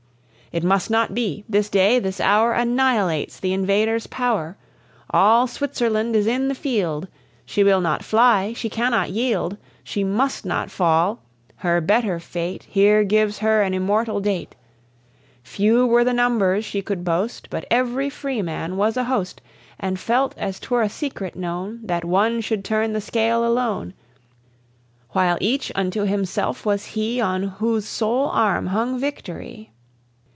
It must not be; this day, this hour, Annihilates the invader's power; All Switzerland is in the field; She will not fly, she cannot yield, She must not fall; her better fate Here gives her an immortal date. Few were the numbers she could boast, But every freeman was a host, And felt as 'twere a secret known That one should turn the scale alone, While each unto himself was he On whose sole arm hung victory.